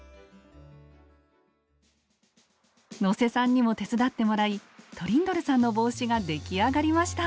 能勢さんにも手伝ってもらいトリンドルさんの帽子が出来上がりました！